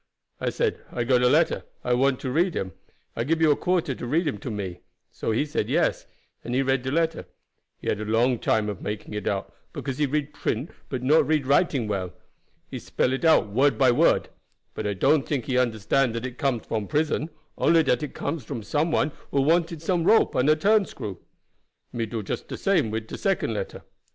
I said 'I got a letter, I want to read him, I gib you a quarter to read him to me;' so he said yes, and he read de letter. He a long time of making it out, because he read print but not read writing well. He spell it out word by word, but I don't tink he understand dat it come from prison, only dat it come from some one who wanted some rope and a turn screw. Me do just de same way wid de second letter.